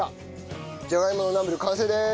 じゃがいものナムル完成です。